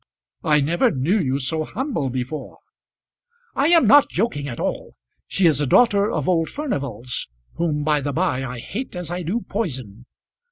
"I never knew you so humble before." "I am not joking at all. She is a daughter of old Furnival's, whom by the by I hate as I do poison.